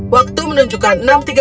waktu menunjukkan enam tiga puluh